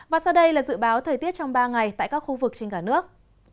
và sau đây là dự báo thời tiết trong ba ngày tại các khu vực trên cả nước